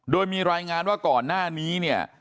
โดยมีรายงานว่าก่อนหน้านี้เนี่ย